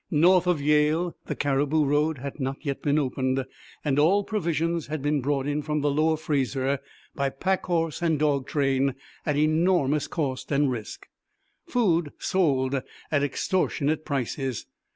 North of Yale the Cariboo Road had not yet been opened, and all provisions had been brought in from the lower Fraser by pack horse and dog train at enormous cost and risk. Food sold at extortionate prices.